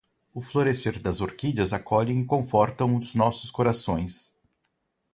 O florescer das orquídeas acolhem e confortam os nossos corações.